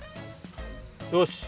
よし！